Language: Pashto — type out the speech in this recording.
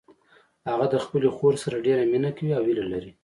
هغه د خپلې خور سره ډیره مینه کوي او هیله لري